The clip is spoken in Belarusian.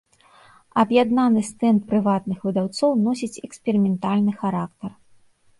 Аб'яднаны стэнд прыватных выдаўцоў носіць эксперыментальны характар.